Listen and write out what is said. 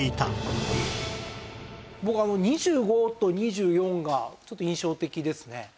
僕２５と２４がちょっと印象的ですね。